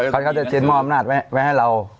เขาจะเช่นมอบนัดไว้ให้เรา